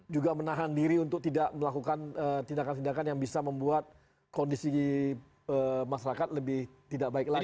juga menahan diri untuk tidak melakukan tindakan tindakan yang bisa membuat kondisi masyarakat lebih tidak baik lagi